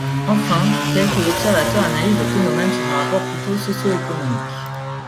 Enfin, quelques observateurs analysent le phénomène sous un rapport plutôt socio-économique.